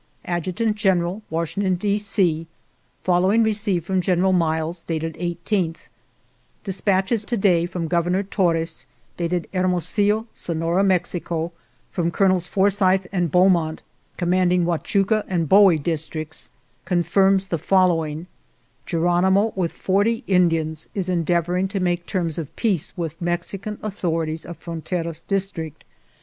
"Adjutant General, "Washington, D. C: " Following received from General Miles, dated 18th: "' Dispatches to day from Governor Torres, dated Hermosillo, Sonora, Mexico, from Colonels Forsyth and Beaumont, commanding Huachuca and Bowie districts, confirms the following: Geronimo with forty Indians is endeavoring to make terms of peace with Mexican authorities of Fron teraz district.